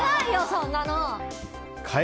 そんなの。